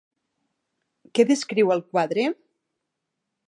Què descriu el quadre?